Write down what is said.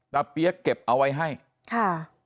เปี๊ยกเก็บเอาไว้ให้ค่ะ